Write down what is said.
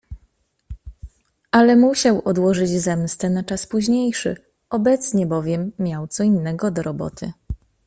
Ale musiał odłożyć zemstę na czas późniejszy, obecnie bowiem miał co innego do roboty.